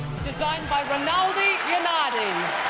desain by rinaldi yunardi